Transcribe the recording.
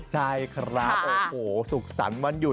ใช่ครับโอ้โหสุขสรรค์วันหยุด